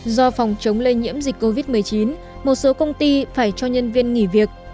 do phòng chống lây nhiễm dịch covid một mươi chín một số công ty phải cho nhân viên nghỉ việc